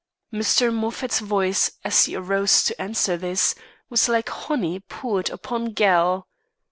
Mr. Moffat's voice, as he arose to answer this, was like honey poured upon gall.